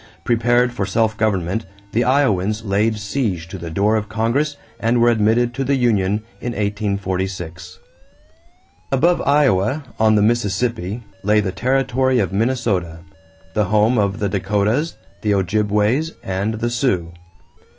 Prepared for self government, the Iowans laid siege to the door of Congress and were admitted to the union in 1846. Above Iowa, on the Mississippi, lay the territory of Minnesota the home of the Dakotas, the Ojibways, and the Sioux.